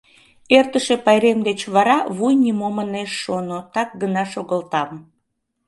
Эртыше пайрем деч вара вуй нимом ынеж шоно, так гына шогылтам.